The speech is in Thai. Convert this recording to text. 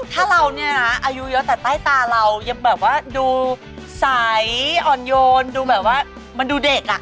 ถ้าเราเนี่ยนะอายุเยอะแต่ใต้ตาเรายังแบบว่าดูใสอ่อนโยนดูแบบว่ามันดูเด็กอ่ะ